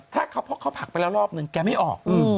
ถ้าเขาพักไปแล้วรอบหนึ่งแกไม่ออก